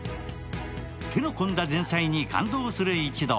手の込んだ前菜に感動する一同。